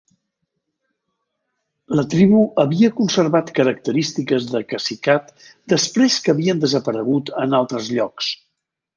La tribu havia conservat característiques de cacicat després que havien desaparegut en altres llocs.